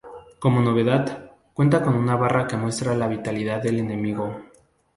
Como novedad, cuenta con una barra que muestra la vitalidad del enemigo.